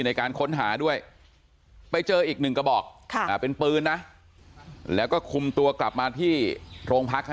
ในการค้นหาด้วยไปเจออีกหนึ่งกระบอกเป็นปืนนะแล้วก็คุมตัวกลับมาที่โรงพักฮะ